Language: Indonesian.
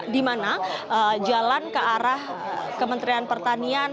dimana jalan ke arah kementerian pertanian